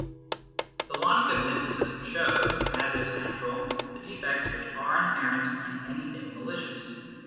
The logic of mysticism shows, as is natural, the defects which are inherent in anything malicious.